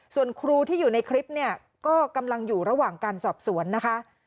ส่วนครูที่อยู่ในคลิปเนี่ยก็กำลังอยู่ระหว่างการสอบสวนนะคะ